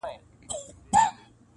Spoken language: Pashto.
د دې مظلوم قام د ژغورني -